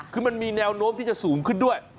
คือมันมีแนวโน้มที่จะสูงขึ้นด้วย